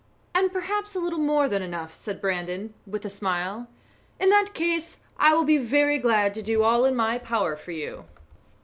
"And perhaps a little more than enough," said Brandon, with a smile. "In that case I will be very glad to do all in my power for you."